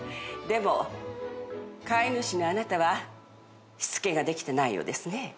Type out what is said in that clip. でも飼い主のあなたはしつけができてないようですね。